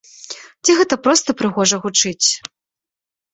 Ці гэта проста прыгожа гучыць?